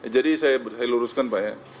jadi saya luruskan pak ya